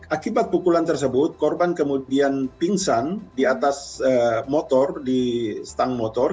akibat pukulan tersebut korban kemudian pingsan di atas motor di stang motor